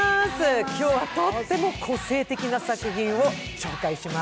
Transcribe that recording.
今日はとっても個性的な映画をご紹介します。